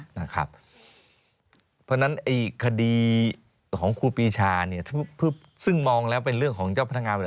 เพราะฉะนั้นคดีของครูปีชาซึ่งมองแล้วเป็นเรื่องของเจ้าพนักงาน